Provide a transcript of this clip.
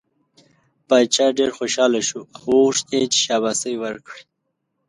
باچا ډېر خوشحاله شو او وغوښت یې چې شاباسی ورکړي.